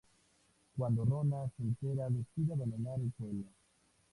Cuando Rona se entera decide abandonar el pueblo.